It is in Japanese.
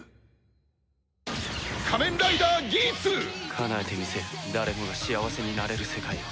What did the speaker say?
かなえてみせる誰もが幸せになれる世界を。